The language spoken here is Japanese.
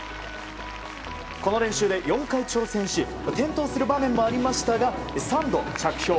この練習で４回挑戦し点灯する場面もありましたが３度着氷。